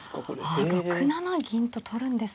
ああ６七銀と取るんですか。